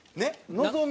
のぞみ。